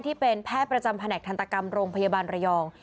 ที่เป็นแพทย์ประจำแผนกทันตกรรมโรงพยาบาลระยอง